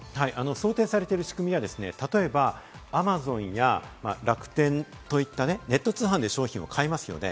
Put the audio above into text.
想定されている仕組みは例えばＡｍａｚｏｎや楽天といったネット通販で商品を買いますよね。